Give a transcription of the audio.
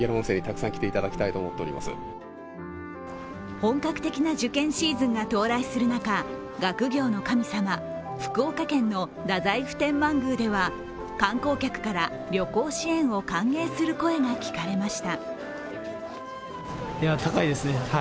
本格的な受験シーズンが到来する中、学業の神様、福岡県の太宰府天満宮では観光客から旅行支援を歓迎する声が聞かれました。